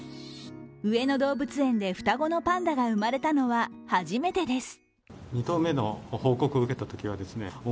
上野動物園で双子のパンダが生まれたのは初めてです。